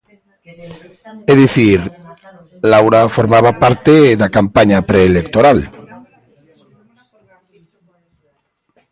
É dicir, Laura formaba parte da campaña preelectoral.